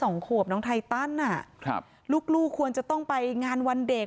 น้องขวบน้องไทตันลูกควรจะต้องไปงานวันเด็ก